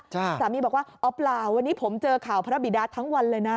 สามีบอกว่าอ๋อเปล่าวันนี้ผมเจอข่าวพระบิดาทั้งวันเลยนะ